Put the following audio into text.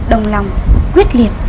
đồng lòng quyết liệt